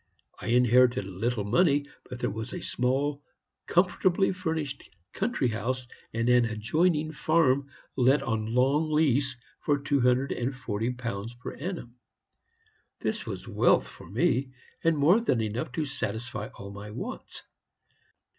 I inherited little money; but there was a small, comfortably furnished country house, and an adjoining farm let on a long lease for two hundred and forty pounds per annum. This was wealth for me, and more than enough to satisfy all my wants.